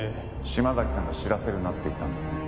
島崎さんが知らせるなって言ったんですね。